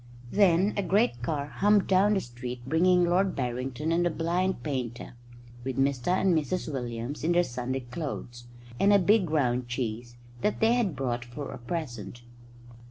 Then a great car hummed down the street bringing Lord Barrington and the blind painter, with Mr and Mrs Williams in their Sunday clothes, and a big round cheese that they had brought for a present.